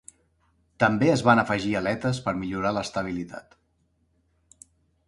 També es van afegir aletes per millorar l'estabilitat.